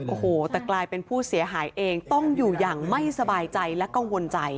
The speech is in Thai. โอ้โหแต่กลายเป็นผู้เสียหายเองต้องอยู่อย่างไม่สบายใจและกังวลใจ